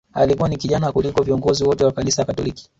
Alikuwa ni kijana kuliko viongozi wote wa kanisa Katoliki